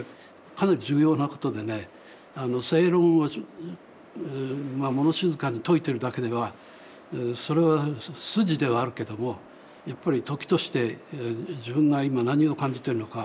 かなり重要なことでね正論を物静かに説いてるだけではそれは筋ではあるけどもやっぱり時として自分が今何を感じてるのか